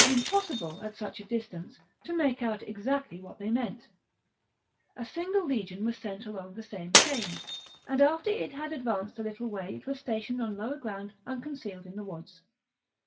c. impossible, at such a distance, to make out exactly what they meant A single legion was sent along the same chain ; and after it had advanced a little way it was stationed on lower ground and con cealed in the woods.